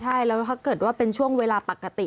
ใช่แล้วถ้าเกิดว่าเป็นช่วงเวลาปกติ